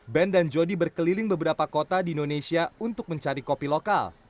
ben dan jody berkeliling beberapa kota di indonesia untuk mencari kopi lokal